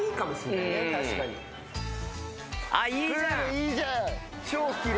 いいじゃん！